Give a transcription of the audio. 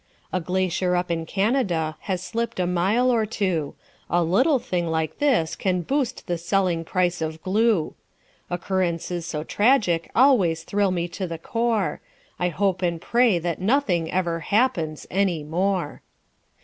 A glacier up in Canada has slipped a mile or two A little thing like this can boost the selling price of glue. Occurrences so tragic always thrill me to the core; I hope and pray that nothing ever happens any more.